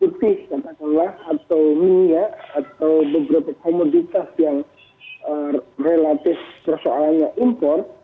putih katakanlah atau minyak atau beberapa komoditas yang relatif persoalannya impor